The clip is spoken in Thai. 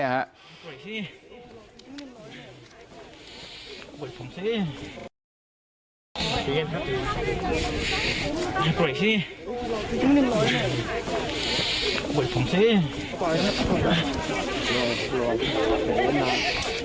ปล่อยสิปล่อยผมสิปล่อยสิปล่อยผมสิ